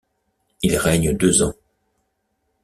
Il règne deux ans.